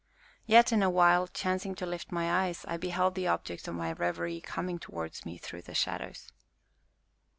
Yet, in a while, chancing to lift my eyes, I beheld the object of my reverie coming towards me through the shadows.